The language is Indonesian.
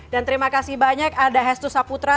dan terima kasih banyak ada hestu saputra